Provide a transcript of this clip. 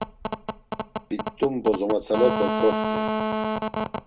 Bit̆t̆um bozomotalepe kort̆ey.